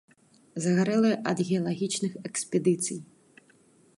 Загарэлыя ад геалагічных экспедыцый.